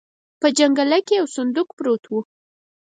په جنګله کې يو صندوق پروت و.